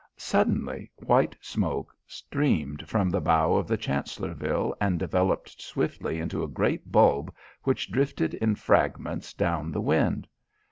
Suddenly white smoke streamed from the bow of the Chancellorville and developed swiftly into a great bulb which drifted in fragments down the wind.